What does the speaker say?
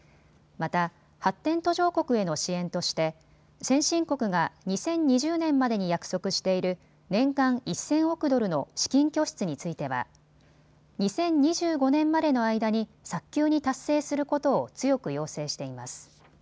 また発展途上国への支援として先進国が２０２０年までに約束している年間１０００億ドルの資金拠出については２０２５年までの間に早急に達成することを強く要請しています。